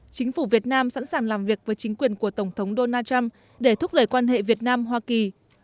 chính phủ việt nam sẵn sàng làm việc với chính quyền của tổng thống donald trump để thúc đẩy quan hệ việt nam hoa kỳ